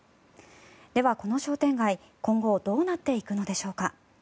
では、この商店街、今後どうなっていくのでしょうか。